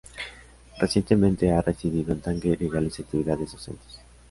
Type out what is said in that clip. Recientemente ha residido en Tánger y realiza actividades docentes.